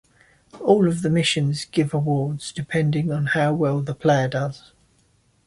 All of the missions give awards depending on how well the player does.